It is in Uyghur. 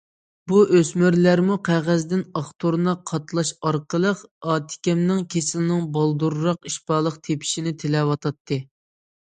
بۇ ئۆسمۈرلەرمۇ قەغەزدىن ئاق تۇرنا قاتلاش ئارقىلىق ئاتىكەمنىڭ كېسىلىنىڭ بالدۇرراق شىپالىق تېپىشىنى تىلەۋاتاتتى.